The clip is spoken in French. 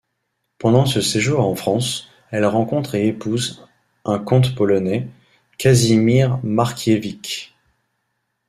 Pendant ce séjour en France, elle rencontre et épouse un comte polonais, Casimir Markievicz.